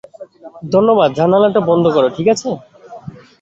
ধন্যবাদ জানালাটা বন্ধ করো, ঠিক আছে?